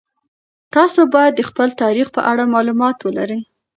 تاسو باید د خپل تاریخ په اړه مالومات ولرئ.